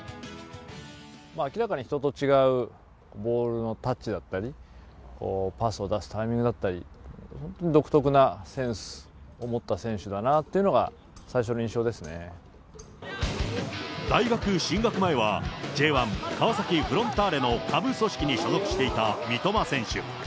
明らかに人と違うボールのタッチだったり、パスを出すタイミングだったり、本当に独特なセンスを持った選手だなっていうのが、最初の印象で大学進学前は、Ｊ１・川崎フロンターレの下部組織に所属していた三笘選手。